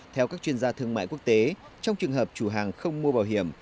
theo các chuyên gia thương mại quốc tế trong trường hợp chủ hàng không mua bảo hiểm